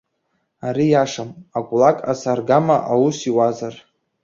Ари иашам, акулак ас аргама аус иуазар.